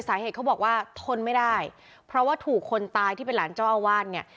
เขาบอกว่าทนไม่ได้เพราะว่าถูกคนตายที่เป็นหลานเจ้าอาวาสเนี่ย